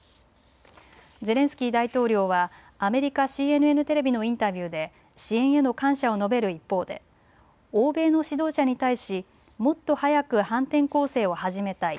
ゼレンスキー大統領はアメリカＣＮＮテレビのインタビューで支援への感謝を述べる一方で欧米の指導者に対しもっと早く反転攻勢を始めたい。